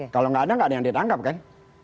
kalau gak ada gak ada yang ditangkap kan